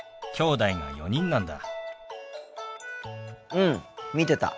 うん見てた。